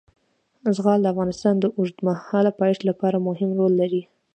زغال د افغانستان د اوږدمهاله پایښت لپاره مهم رول لري.